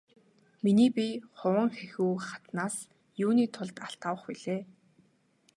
Миний бие Хуванхэхү хатнаас юуны тулд алт авах билээ?